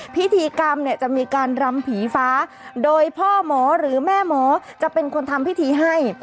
พิธีกรรมเนี่ยจะมีการรำผีฟ้าโดยพ่อหมอหรือแม่หมอจะเป็นคนทำพิธีให้